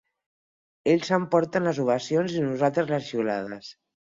Ells s'emporten les ovacions i nosaltres les xiulades.